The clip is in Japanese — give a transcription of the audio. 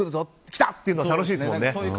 来た！っていうの楽しいですもんね。